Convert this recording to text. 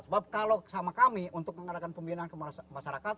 sebab kalau sama kami untuk mengadakan pembinaan ke masyarakat